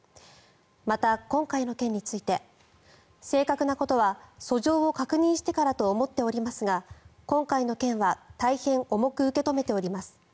また今回の件について正確なことは訴状を確認してからと思っておりますが今回の件は大変重く受け止めております